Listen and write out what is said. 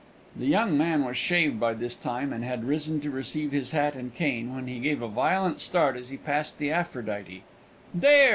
The young man was shaved by this time, and had risen to receive his hat and cane, when he gave a violent start as he passed the Aphrodite. "There!"